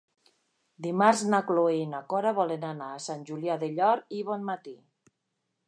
Dimarts na Cloè i na Cora volen anar a Sant Julià del Llor i Bonmatí.